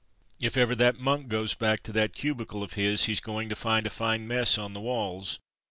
If ever that monk goes back to that cubicle of his, he's going to find a fine mess on the walls.